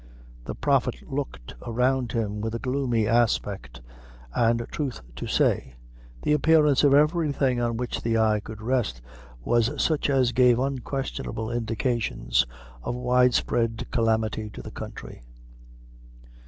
The prophet looked around him with a gloomy aspect, and, truth to say, the appearance of everything on which the eye could rest, was such as gave unquestionable indications of wide spread calamity to the country.